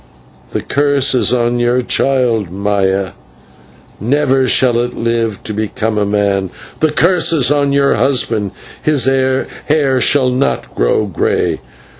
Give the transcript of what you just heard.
The curse is on your child, Maya never shall it live to become a man: the curse is on your husband his hair shall not grow grey.